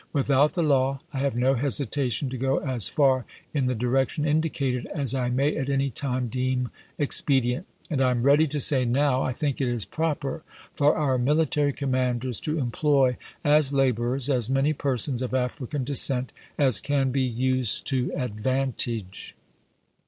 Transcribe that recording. Without the law, I have no hesitation to go as far in the direction indicated as I may at any time deem expedient. And I am ready to say now, jo^°|y, I think it is proper for our military commanders to em •^^g^/'^' ploy, as laborers, as many persons of African descent as pp. 872/873. can be used to advantage.